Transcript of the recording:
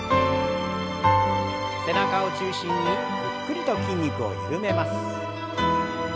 背中を中心にゆっくりと筋肉を緩めます。